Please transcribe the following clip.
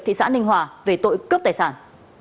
thị xã ninh hòa về tội cướp tài sản